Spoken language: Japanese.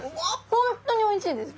本当においしいです！